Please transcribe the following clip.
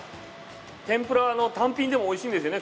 天ぷらは単品でも美味しいんですよね。